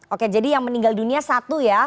oke jadi yang meninggal dunia satu ya